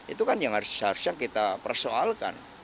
itu kan yang harusnya kita persoalkan